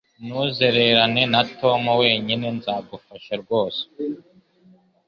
Ntuzererane na Tom wenyine nzagufasha rwose